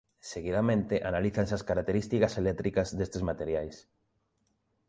Seguidamente analízanse as características eléctricas destes materiais.